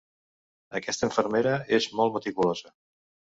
Aquesta infermera és molt meticulosa.